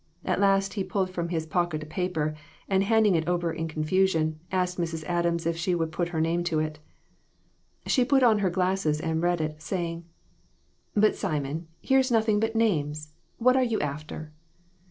At last he pulled from his pocket a paper, and handing it over in confusion, asked Mrs. Adams if she would put her name to it. She put on her glasses and read it, saying "But, Simon, here's nothing but names ! What are you after?"